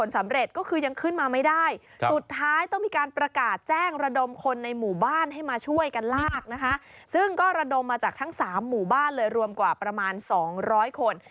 ซึ่งก็ระดมมาจากทั้ง๓หมู่บ้านเลยรวมกว่าประมาณ๒๐๐คน